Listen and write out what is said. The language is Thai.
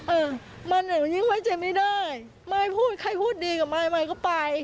เออมาไหนมันยิ่งไว้ใจไม่ได้มายพูดใครพูดดีกับมายมายก็ไป